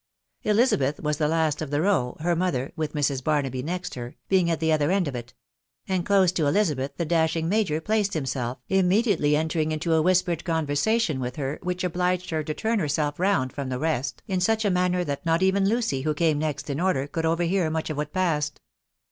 Elizabeth was the last of the tow, her mother (wrfh Mrs. ^iaby next her) being at the other end of k ; and dose to sabeth the dashing major placed himself, immediately en Jing into a whispered conversation with her, which obtiejed #r to turn herself round from the rest, in sneu. a xa«wvet fo*X ; >XTAr..T not even Lucy, who tame next m order, could overhear much of what passed.